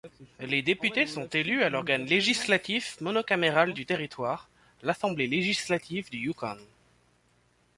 Les députés sont élus à l'organe législatif monocaméral du territoire, l'Assemblée législative du Yukon.